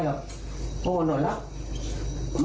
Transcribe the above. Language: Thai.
ไม่จากน้ะโม้